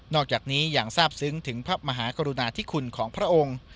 อกจากนี้อย่างทราบซึ้งถึงพระมหากรุณาธิคุณของพระองค์